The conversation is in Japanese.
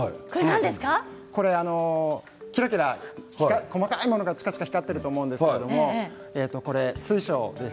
きらきら細かいものがチカチカ光っていると思うんですがこれは水晶です。